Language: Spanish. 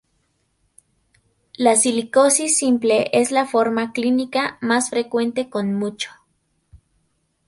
La silicosis simple es la forma clínica más frecuente con mucho.